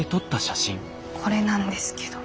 これなんですけど。